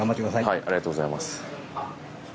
ありがとうございます。